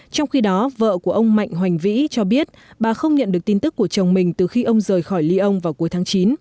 trong khi đó vợ của ông mạnh hoành vĩ cho biết bà không nhận được tin tức của chồng mình từ khi ông rời khỏi lyon vào cuối tháng chín